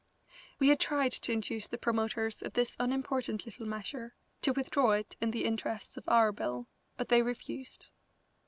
We had tried to induce the promoters of this unimportant little measure to withdraw it in the interests of our bill, but they refused.